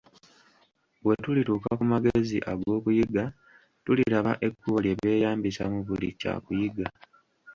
Bwe tulituuka ku magezi ag'okuyiga, tuliraba ekkubo lye beeyambisa mu buli kyakuyiga.